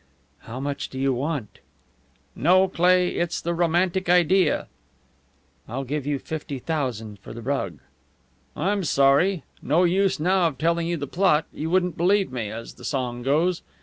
"How much do you want?" "No, Cleigh, it's the romantic idea." "I will give you fifty thousand for the rug." "I'm sorry. No use now of telling you the plot; you wouldn't believe me, as the song goes.